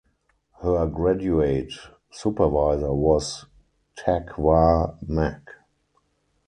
Her graduate supervisor was Tak Wah Mak.